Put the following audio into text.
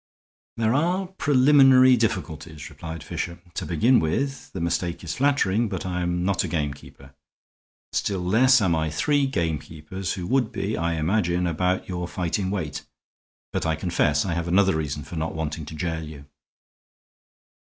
"There are preliminary difficulties," replied Fisher. "To begin with, the mistake is flattering, but I am not a gamekeeper. Still less am I three gamekeepers, who would be, I imagine, about your fighting weight. But I confess I have another reason for not wanting to jail you."